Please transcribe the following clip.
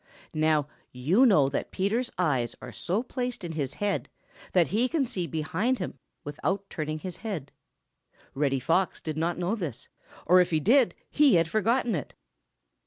Now, you know that Peter's eyes are so placed in his head that he can see behind him without turning his head. Reddy Fox did not know this, or if he did he had forgotten it.